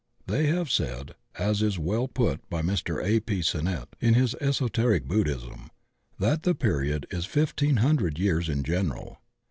They have said, as is well put by Mr. A. P. Sin nett in his Esoteric Buddhism, that tiie period is fif teen hundred years in general.